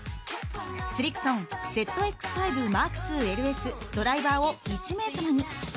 スリクソンＺＸ５マーク２エルエスドライバーを１名様に。